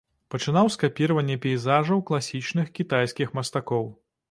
Пачынаў з капіравання пейзажаў класічных кітайскіх мастакоў.